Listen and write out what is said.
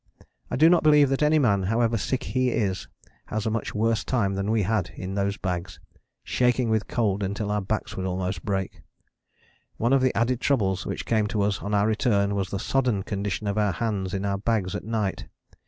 I do not believe that any man, however sick he is, has a much worse time than we had in those bags, shaking with cold until our backs would almost break. One of the added troubles which came to us on our return was the sodden condition of our hands in our bags at night.